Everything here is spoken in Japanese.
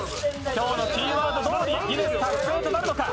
今日のキーワードどおりギネス達成となるか。